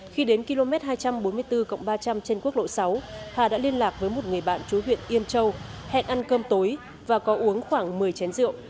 khi đến km hai trăm bốn mươi bốn ba trăm linh trên quốc lộ sáu hà đã liên lạc với một người bạn chú huyện yên châu hẹn ăn cơm tối và có uống khoảng một mươi chén rượu